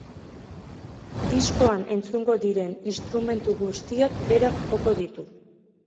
Diskoan etzungo diren instrumentu guztiak berak joko ditu.